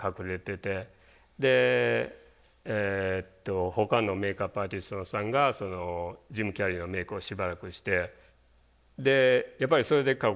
でほかのメイクアップアーティストさんがジム・キャリーのメイクをしばらくしてでやっぱりそれで実感したわけですね。